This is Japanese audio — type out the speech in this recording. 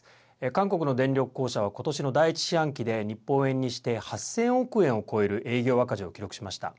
韓国の電力公社はことしの第１四半期で日本円にして８０００億円を超える営業赤字を記録しました。